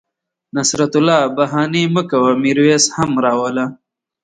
نصرت الله بهاني مه کوه میرویس هم را وله